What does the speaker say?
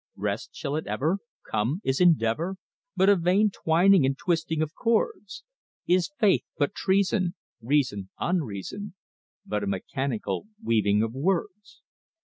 "Rest, shall it ever Come? Is endeavour But a vain twining and twisting of cords? Is faith but treason; Reason, unreason, But a mechanical weaving of words?"